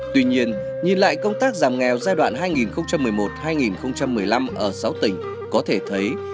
tuy nhiên nhìn lại công tác giảm nghèo giai đoạn hai nghìn một mươi một hai nghìn một mươi năm ở sáu tỉnh có thể thấy